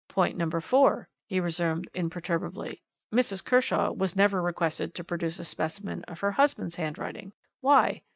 "Point number four," he resumed imperturbably, "Mrs. Kershaw was never requested to produce a specimen of her husband's handwriting. Why?